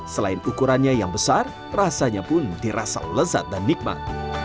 selain ukurannya yang besar rasanya pun dirasa lezat dan nikmat